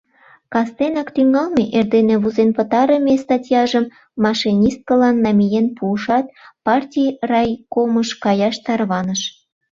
Кастенак тӱҥалме, эрдене возен пытарыме статьяжым машинисткылан намиен пуышат, партий райкомыш каяш тарваныш.